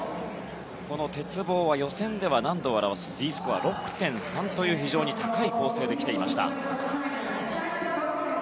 この鉄棒は予選では難度を表すＤスコアで６．３という非常に高い構成で来ていました。